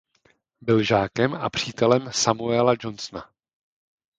Byl žákem a přítelem Samuela Johnsona.